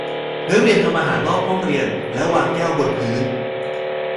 นักเรียนทำอาหารรอบห้องเรียนและวางแก้วบนพื้น